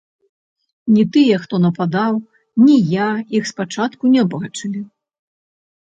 Ні тыя, хто нападаў, ні я іх спачатку не бачылі.